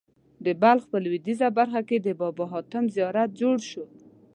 د بلخ په لوېدیځه برخه کې د بابا حاتم زیارت جوړ شو.